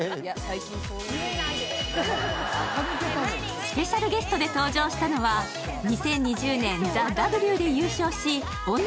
スペシャルゲストで登場したのは２０２０年「ＴＨＥＷ」で優勝し女